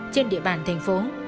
trên địa bàn thành phố